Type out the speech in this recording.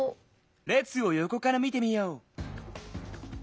れつをよこからみてみよう。